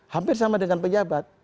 hampir sama dengan penjabat